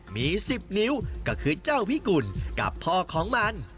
มี๑๐นิ้วก็คือเจ้าพิกุลกับพ่อของมัน